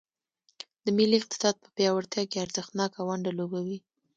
د ملي اقتصاد په پیاوړتیا کې ارزښتناکه ونډه لوبوي.